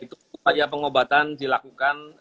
oleh karena itu pengobatan dilakukan